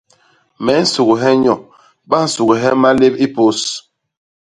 Me nsughe nyo, ba nsughe malép i pôs.